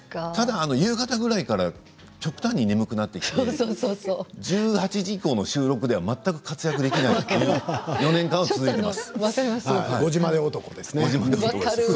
ただ夕方ぐらいから極端に眠くなって１８時以降の収録では全く活躍できない分かります。